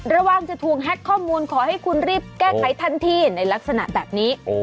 ระวังจะถูกแฮ็กข้อมูลขอให้คุณรีบแก้ไขทันทีในลักษณะแบบนี้